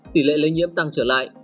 tỷ lệ lây nhiễm tăng trở lại